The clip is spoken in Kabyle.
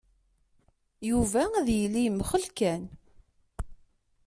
Yuba ad yili yemxell kan!